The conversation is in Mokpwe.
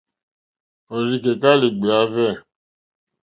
Òrzìkèká lìɡbèáhwɛ̂.